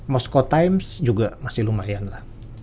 mosko times juga masih lumayan lah